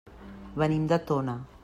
Venim de Tona.